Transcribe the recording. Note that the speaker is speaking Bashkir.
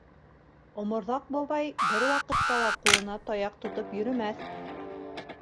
Оморҙаҡ бабай бер ваҡытта ла ҡулына таяҡ тотоп йөрөмәҫ.